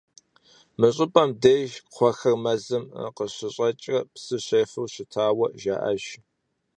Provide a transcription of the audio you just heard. Мы щӀыпӀэм деж кхъуэхэр мэзым къыщыщӀэкӀрэ псы щефэу щытауэ жаӀэж.